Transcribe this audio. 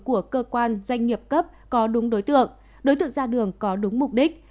của cơ quan doanh nghiệp cấp có đúng đối tượng đối tượng ra đường có đúng mục đích